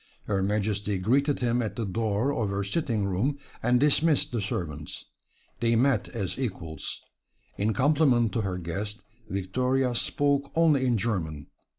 Her Majesty greeted him at the door of her sitting room, and dismissed the servants. They met as equals. In compliment to her guest Victoria spoke only in German.